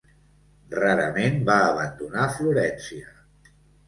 Rarament va abandonar Florència.